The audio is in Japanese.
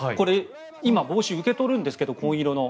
今、帽子を受け取るんですが紺色の。